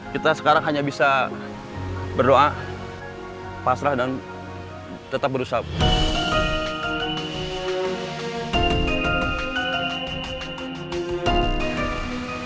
kita sekarang hanya bisa berdoa pasrah dan tetap berusaha